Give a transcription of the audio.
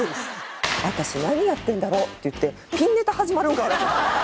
「私何やってんだろう？」って言ってピンネタ始まるんかな？と。